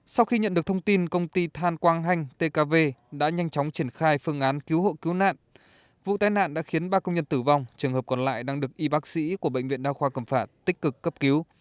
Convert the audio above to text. sau khi nhận được thông tin công ty than quang hanh tkv đã nhanh chóng triển khai phương án cứu hộ cứu nạn vụ tai nạn đã khiến ba công nhân tử vong trường hợp còn lại đang được y bác sĩ của bệnh viện đa khoa cầm phạt tích cực cấp cứu